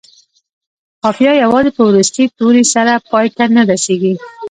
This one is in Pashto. قافیه یوازې په وروستي توري سره پای ته نه رسيږي.